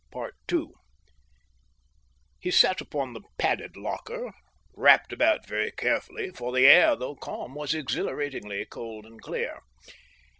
2 He sat upon the padded locker, wrapped about very carefully, for the air, though calm, was exhilaratingly cold and clear.